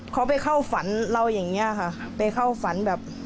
เขาไปเข้าฝันเราอย่างนี้ค่ะไปเข้าฝันแบบ